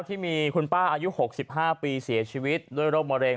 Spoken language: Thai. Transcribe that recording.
ที่มีคุณป้าอายุ๖๕ปีเสียชีวิตด้วยโรคมะเร็ง